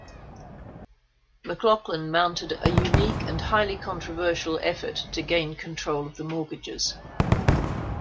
McLaughlin mounted a unique and highly controversial effort to gain control of the mortgages.